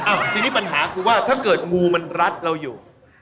ทีนี้ปัญหาคือว่าถ้าเกิดงูมันรัดเราอยู่